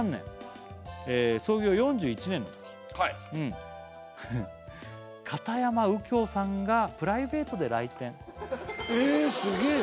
エピソード片山右京さんがプライベートで来店え